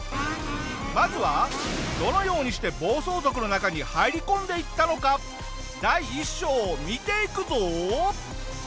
まずはどのようにして暴走族の中に入り込んでいったのか第１章を見ていくぞ！